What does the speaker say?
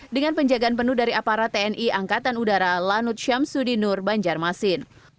dengan penjagaan penuh dari aparat tni angkatan udara lanut syamsudinur banjarmasin